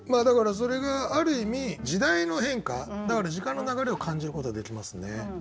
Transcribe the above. だからそれがある意味時代の変化だから時間の流れを感じることができますね。